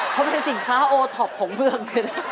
เขาเป็นสินค้าโอท็อปของเมืองเลยนะ